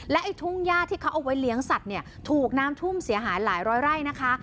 ไอ้ทุ่งย่าที่เขาเอาไว้เลี้ยงสัตว์เนี่ยถูกน้ำท่วมเสียหายหลายร้อยไร่นะคะ